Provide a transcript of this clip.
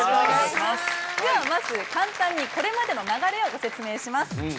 ではまず簡単にこれまでの流れをご説明します。